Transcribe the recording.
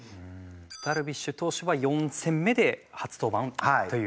ダルビッシュ投手は４戦目で初登板という。